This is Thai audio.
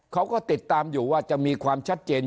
เขาก็ติดตามอยู่ว่าจะมีความชัดเจน